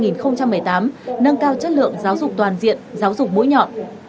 nâng cao chất lượng giáo dục toàn diện giáo dục mũi nhọn